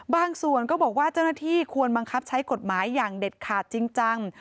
ส่วนก็บอกว่าเจ้าหน้าที่ควรบังคับใช้กฎหมายอย่างเด็ดขาดจริงจัง